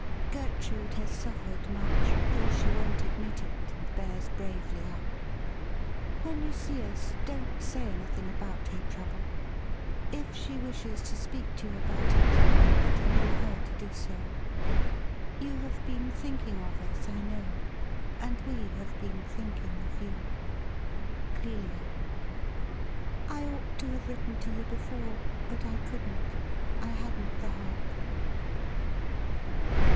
Gertrude has suffered much, though she won''t admit it, and bears bravely up. When you see us, don't say anything about her trouble. If she wishes to speak to you about it, you had better leave her to do so. You have been thinking of us, I know, and we have been thinking of you. ' Clelia. ' I ought to have written to you before, but I couldn't ; I hadn't the heart.'